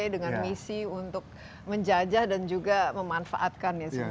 dengan misi untuk menjajah dan juga memanfaatkan ya semua